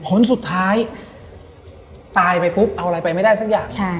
ผลสุดท้ายตายไปปุ๊บเอาอะไรไปไม่ได้สักอย่าง